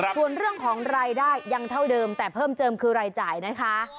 ส่วนเรื่องของรายได้ยังเท่าเดิมแต่เพิ่มเติมคือรายจ่ายนะคะ